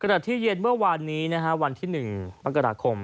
ขณะที่เย็นเมื่อวานนี้วันที่๑มกราคม